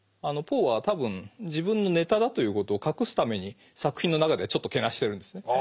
ポーは多分自分のネタだということを隠すために作品の中ではちょっとけなしてるんですね。